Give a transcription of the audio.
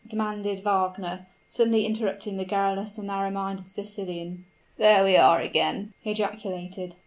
demanded Wagner, suddenly interrupting the garrulous and narrow minded Sicilian. "There we are again!" he ejaculated.